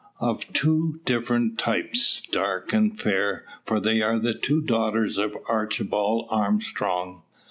Of two different types, dark and fair: for they are the two daughters of Archibald Armstrong.